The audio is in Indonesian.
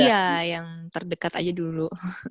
iya yang terdekat aja dulu